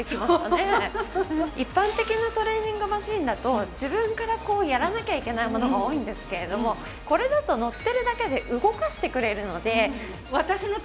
一般的なトレーニングマシンだと自分からこうやらなきゃいけないものが多いんですけれどもこれだと乗っているだけで動かしてくれるので。